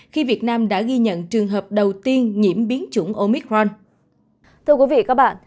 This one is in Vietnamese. khi việt nam đã ghi nhận trường hợp đầu tiên nhiễm biến chủng omicron